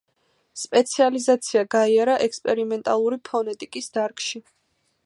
სპეციალიზაცია გაიარა ექსპერიმენტალური ფონეტიკის დარგში.